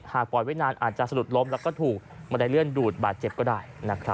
ปล่อยไว้นานอาจจะสะดุดล้มแล้วก็ถูกบันไดเลื่อนดูดบาดเจ็บก็ได้